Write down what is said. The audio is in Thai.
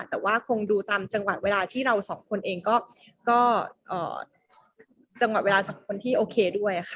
แต่ว่าคงดูตามจังหวะเวลาที่เราสองคนเองก็จังหวะเวลาจากคนที่โอเคด้วยค่ะ